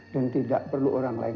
dan tidak perlu orang lain